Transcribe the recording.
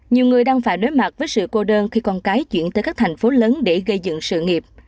nhiều người đang phải đối mặt với sự cô đơn khi con cái chuyển tới các thành phố lớn để gây dựng sự nghiệp